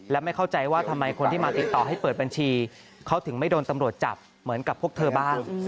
และไม่เข้าใจว่าทำไมคนที่มาติดต่อให้เปิดบัญชีเขาถึงไม่โดนตำรวจจับเหมือนกับพวกเธอบ้าง